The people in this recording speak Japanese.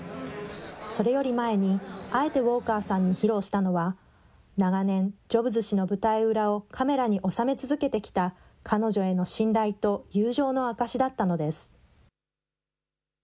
それより前に、あえてウォーカーさんに披露したのは、長年、ジョブズ氏の舞台裏をカメラに収め続けてきた彼女への信頼と友情の証しだったのです。